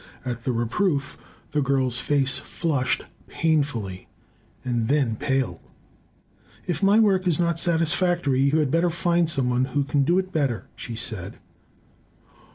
At the reproof the girl's face flushed painfully, and then paled. "If my work is not satisfactory, you had better find some one who can do it better," she said.